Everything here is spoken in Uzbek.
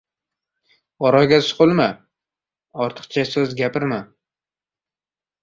• Oraga suqilma, ortiqcha so‘z gapirma.